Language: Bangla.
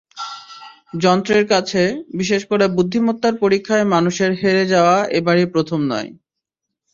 যন্ত্রের কাছে, বিশেষ করে বুদ্ধিমত্তার পরীক্ষায় মানুষের হেরে যাওয়া এবারই প্রথম নয়।